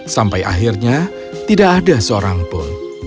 sampai akhirnya tidak ada seorang pun